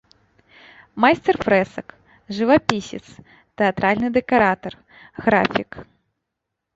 Майстар фрэсак, жывапісец, тэатральны дэкаратар, графік.